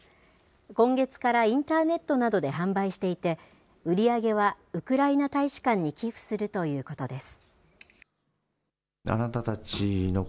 今月からインターネットなどで販売していて、売り上げはウクライナ大使館に寄付するということです。